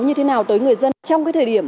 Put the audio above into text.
như thế nào tới người dân trong cái thời điểm